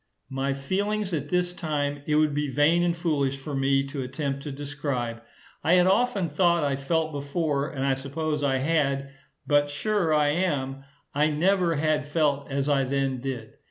My feelings at this time it would be vain and foolish for me to attempt to describe. I had often thought I felt before, and I suppose I had, but sure I am, I never had felt as I then did.